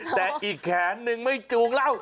แต่อีกแขนนึงไม่จูงเหล้า